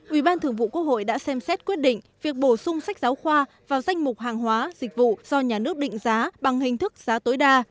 ủy ban thường vụ quốc hội đã xem xét quyết định việc bổ sung sách giáo khoa vào danh mục hàng hóa dịch vụ do nhà nước định giá bằng hình thức giá tối đa